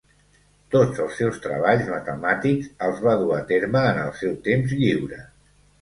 Tots els seus treballs matemàtics els va dur a terme en el seu temps lliure.